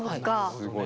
すごい。